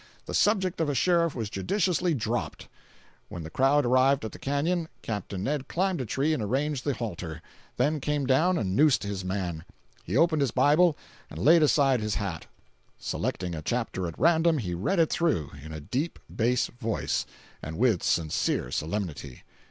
The subject of a sheriff was judiciously dropped. When the crowd arrived at the canyon, Capt. Ned climbed a tree and arranged the halter, then came down and noosed his man. He opened his Bible, and laid aside his hat. Selecting a chapter at random, he read it through, in a deep bass voice and with sincere solemnity.